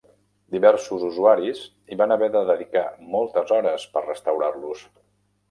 Diversos usuaris hi van haver de dedicar moltes hores per restaurar-los.